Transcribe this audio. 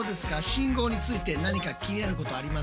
信号について何か気になることありますか？